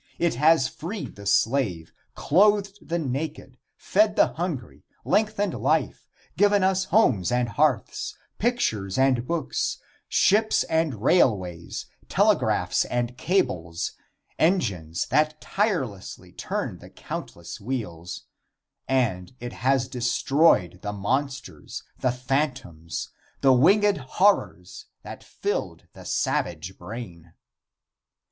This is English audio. It has freed the slave, clothed the naked, fed the hungry, lengthened life, given us homes and hearths, pictures and books, ships and railways, telegraphs and cables, engines that tirelessly turn the countless wheels, and it has destroyed the monsters, the phantoms, the winged horrors that filled the savage brain.